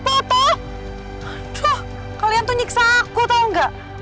aduh kalian tuh nyiksa aku tau gak